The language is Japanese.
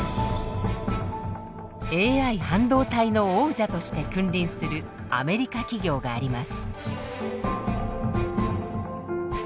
ＡＩ半導体の王者として君臨するアメリカ企業があります。